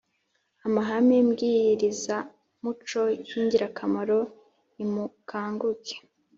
Amahame mbwirizamuco y ingirakamaro Nimukanguke